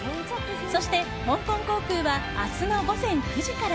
そして香港航空は明日の午前９時から。